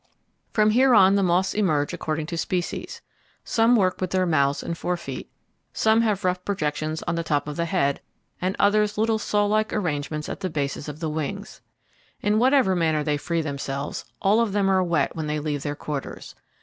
From here on the moths emerge according to species. Some work with their mouths and fore feet. Some have rough projections on the top of the head, and others little sawlike arrangements at the bases of the wings. In whatever manner they free themselves, all of them are wet when they leave their quarters.